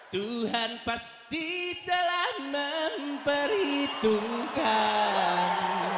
tuhan pasti telah memperhitungkan